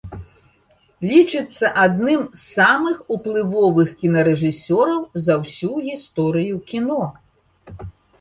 Лічыцца адным з самых уплывовых кінарэжысёраў за ўсю гісторыю кіно.